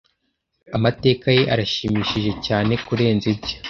Amateka ye arashimishije cyane kurenza ibye.